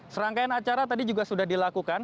serangkaian acara tadi juga sudah dilakukan